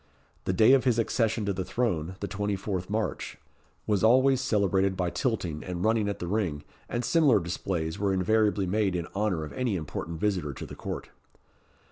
The day of his accession to the throne the 24th March was always celebrated by tilting and running at the ring, and similar displays were invariably made in honour of any important visitor to the court.